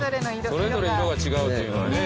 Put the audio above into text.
それぞれ色が違うというのがね。